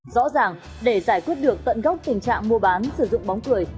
rõ ràng để giải quyết được tận gốc tình trạng mua bán sử dụng bóng cười